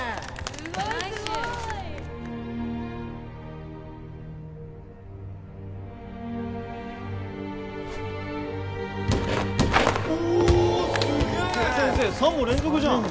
すげえ先生３本連続じゃん